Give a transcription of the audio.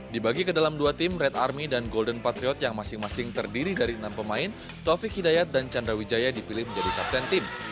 dibagi ke dalam dua tim red army dan golden patriot yang masing masing terdiri dari enam pemain taufik hidayat dan chandra wijaya dipilih menjadi kapten tim